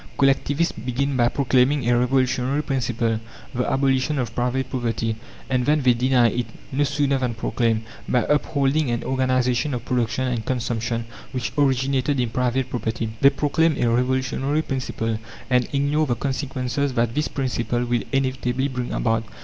Collectivists begin by proclaiming a revolutionary principle the abolition of private property and then they deny it, no sooner than proclaimed, by upholding an organization of production and consumption which originated in private property. They proclaim a revolutionary principle, and ignore the consequences that this principle will inevitably bring about.